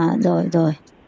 à rồi rồi